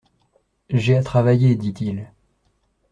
J'ai à travailler, dit-il.